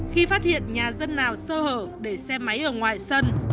khi phát hiện nhà dân nào sơ hở để xe máy ở ngoài sân